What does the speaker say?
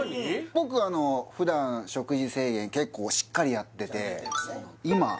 僕普段食事制限結構しっかりやってて出たえー